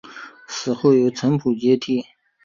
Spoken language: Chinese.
死后由程普接替。